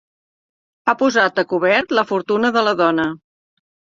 Ha posat a cobert la fortuna de la dona.